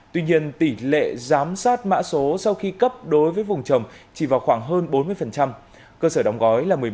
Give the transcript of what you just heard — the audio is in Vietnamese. tuy nhiên tỷ lệ giám sát mã số sau khi cấp đối với vùng trồng chỉ vào khoảng hơn bốn mươi cơ sở đóng gói là một mươi một